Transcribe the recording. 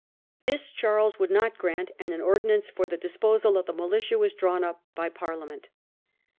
This Charles would not grant, and an ordinance for the dis posal of the militia was drawn up by Parliament.